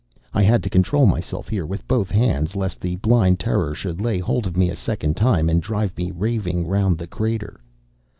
[I had to control myself here with both hands, lest the blind terror should lay hold of me a second time and drive me raving round the crater.